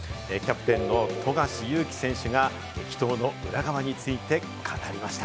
キャプテンの富樫勇樹選手が激闘の裏側について語りました。